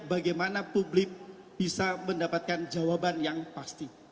bagaimana publik bisa mendapatkan jawaban yang pasti